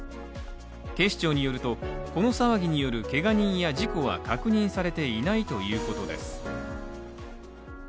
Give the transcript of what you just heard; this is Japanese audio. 警視庁によると、この騒ぎによるけが人や事故は確認されていないということです。